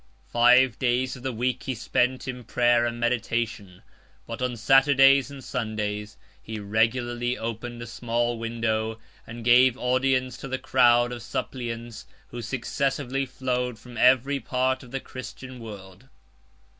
Five days of the week he spent in prayer and meditation; but on Saturdays and Sundays he regularly opened a small window, and gave audience to the crowd of suppliants who successively flowed from every part of the Christian world.